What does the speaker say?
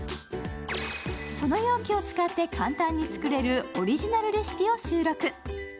その容器を使って簡単に作れるオリジナルレシピを収録。